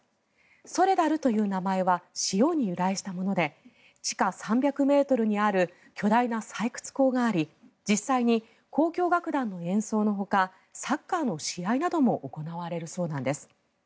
ソレダルという名前は塩に由来したもので地下３００ｍにある巨大な採掘坑があり実際に交響楽団の演奏のほかサッカーの試合なども行われるそうです。